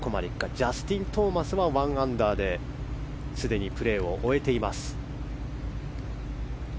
ジャスティン・トーマスは１アンダーですでにプレーを終えています。